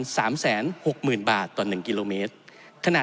ที่เราจะต้องลดความเหลื่อมล้ำโดยการแก้ปัญหาเชิงโครงสร้างของงบประมาณ